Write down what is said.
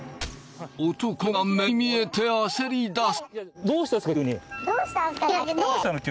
男が目に見えて焦り出す。